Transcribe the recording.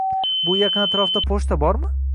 Bu yaqin atrofda pochta bormi?